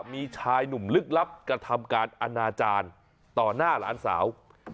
มีชายหนุ่มลึกลับกระทำการอนาจารย์ต่อหน้าหลานสาว